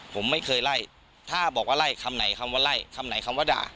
ผมไม่เคยไล่ถ้าบอกว่าไล่คำไหนคำว่าไล่คำไหนคำว่าด่า